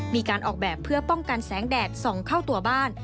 มีการออกแบบเพื่อป้องกันแสงแดดส่องเข้าตัวบ้าน